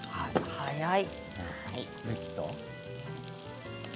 早い。